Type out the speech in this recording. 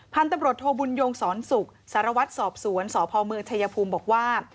พันธุ์ตำรวจโทบุญยงสอนศุกร์สารวัตรสอบสวนสพเมืองชายภูมิบอกว่า